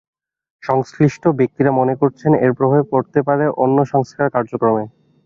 সংশ্লিষ্ট ব্যক্তিরা মনে করছেন, এর প্রভাব পড়তে পারে অন্য সংস্কার কার্যক্রমে।